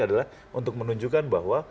adalah untuk menunjukkan bahwa